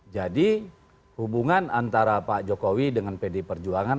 jadi hubungan antara pak jokowi dengan pdi perjuangan